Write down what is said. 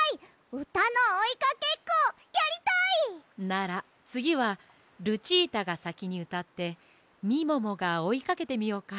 うたのおいかけっこやりたい！ならつぎはルチータがさきにうたってみももがおいかけてみようか。